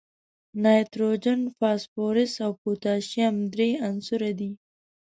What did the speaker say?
نایتروجن، فاسفورس او پوتاشیم درې عنصره دي.